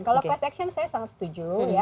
kalau kelas aksion saya sangat setuju